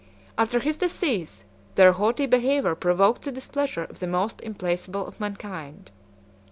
101 After his decease their haughty behavior provoked the displeasure of the most implacable of mankind.